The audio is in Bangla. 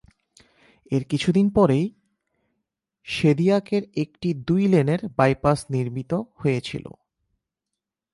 এর কিছুদিন পরেই শেদিয়াকের একটি দুই-লেনের বাইপাস নির্মিত হয়েছিল।